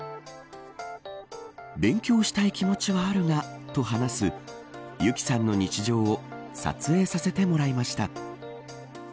勉強したい気持ちはあるがと話すユキさんの日常を撮影させてもらいました。